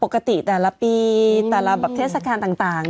ปกติแต่ละปีแต่ละแบบเทศกาลต่าง